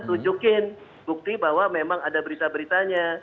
tunjukin bukti bahwa memang ada berita beritanya